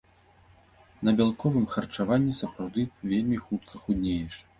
На бялковым харчаванні сапраўды вельмі хутка худнееш.